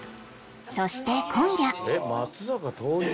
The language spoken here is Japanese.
そして今夜